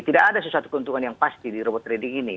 tidak ada sesuatu keuntungan yang pasti di robot trading ini